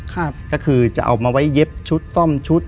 ก็คือจะเอามาไว้เย็บชุดซ่อมชุด